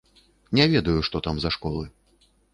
Не ведаю, што там за школы.